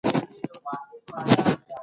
منور ليکوال مينه لري.